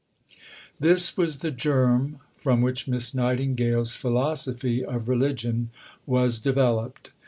This was the germ from which Miss Nightingale's philosophy of religion was developed.